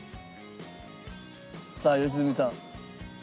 さあ良純さん。